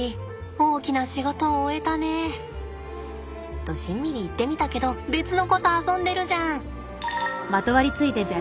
大きな仕事を終えたね。としんみり言ってみたけど別の子と遊んでるじゃん！